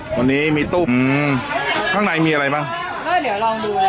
วันนี้มีตุ้มข้างในมีอะไรบ้างก็เดี๋ยวลองดู